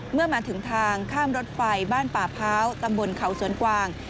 เมื่อมาถึงทางข้ามรถไฟบ้านป่าพร้าวตำบลเขาสวนกวาง